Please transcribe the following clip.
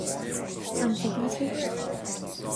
an dtuigeann tú